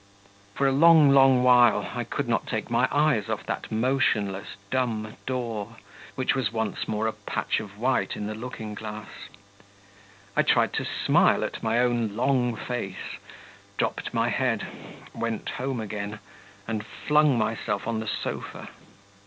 For a long, long while I could not take my eyes off that motionless, dumb door, which was once more a patch of white in the looking glass. I tried to smile at my own long face dropped my head, went home again, and flung myself on the sofa.